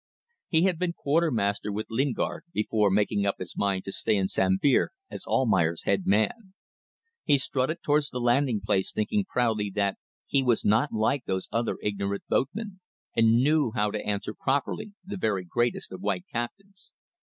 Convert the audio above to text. He had been quartermaster with Lingard before making up his mind to stay in Sambir as Almayer's head man. He strutted towards the landing place thinking proudly that he was not like those other ignorant boatmen, and knew how to answer properly the very greatest of white captains.